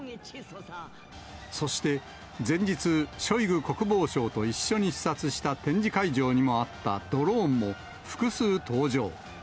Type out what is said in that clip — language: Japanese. そして前日、ショイグ国防相と一緒に視察した展示会場にもあったドローンも複数登場。